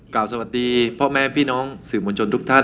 สวัสดีพ่อแม่พี่น้องสื่อมวลชนทุกท่าน